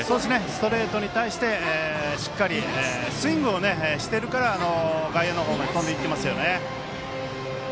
ストレートに対してしっかりスイングをしているから外野の方まで飛んでいっていますね。